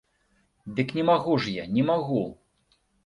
Дык не магу ж я, не магу!